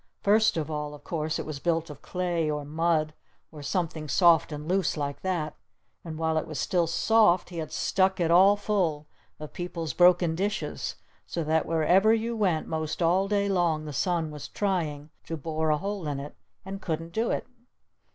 First of all, of course, it was built of clay or mud or something soft and loose like that! And while it was still soft he had stuck it all full of people's broken dishes! So that wherever you went most all day long the sun was trying to bore a hole in it! And couldn't do it!